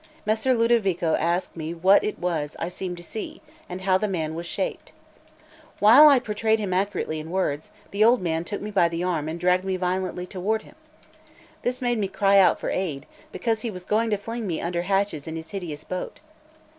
Messer Ludovico asked me what it was I seemed to see, and how the man was shaped. While I portrayed him accurately in words, the old man took me by the arm and dragged me violently towards him. This made me cry out for aid, because he was going to fling me under hatches in his hideous boat.